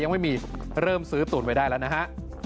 ยังไม่มีเริ่มซื้อตูนไว้ได้แล้วนะฮะ